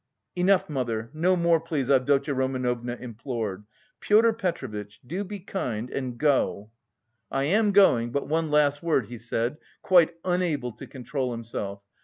"Enough, mother, no more please," Avdotya Romanovna implored. "Pyotr Petrovitch, do be kind and go!" "I am going, but one last word," he said, quite unable to control himself.